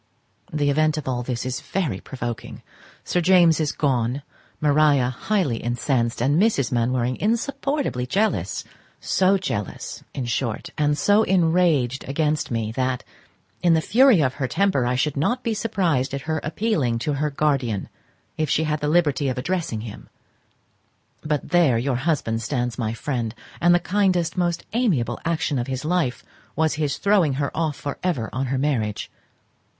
The event of all this is very provoking: Sir James is gone, Maria highly incensed, and Mrs. Mainwaring insupportably jealous; so jealous, in short, and so enraged against me, that, in the fury of her temper, I should not be surprized at her appealing to her guardian, if she had the liberty of addressing him: but there your husband stands my friend; and the kindest, most amiable action of his life was his throwing her off for ever on her marriage.